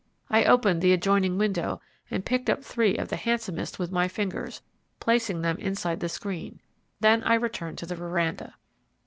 I opened the adjoining window and picked up three of the handsomest with my fingers, placing them inside the screen. Then I returned to the veranda.